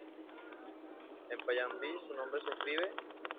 En panyabí su nombre se escribe Asa Singh Mastana.